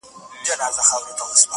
پرېږده چي لمبې پر نزله بلي کړي-